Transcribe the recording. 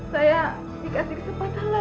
saya dikasih kesempatan lagi ya bu